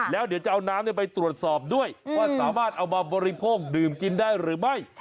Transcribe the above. แล้วเดี๋ยวจะเอาน้ำไปตรวจสอบด้วยว่าสามารถเอามาบริโภคดื่มกินได้หรือไม่